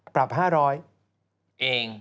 ปรับ๕๐๐เอง